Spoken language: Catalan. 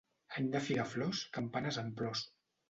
Any de figaflors, campanes amb plors.